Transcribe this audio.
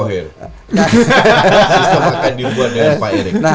sistem akan diubah dengan pak erik